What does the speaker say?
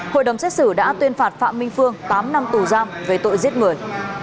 hội đồng xét xử đã tuyên phạt phạm minh phương tám năm tù giam về tội giết người